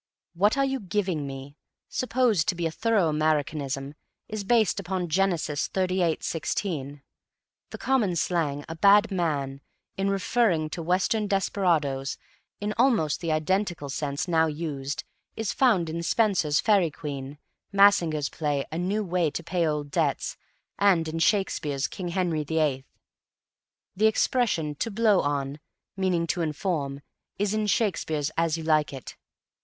"What are you giving me," supposed to be a thorough Americanism, is based upon Genesis, xxxviii:16. The common slang, "a bad man," in referring to Western desperadoes, in almost the identical sense now used, is found in Spenser's Faerie Queen, Massinger's play "A New Way to Pay Old Debts," and in Shakespeare's "King Henry VIII." The expression "to blow on," meaning to inform, is in Shakespeare's "As You Like it."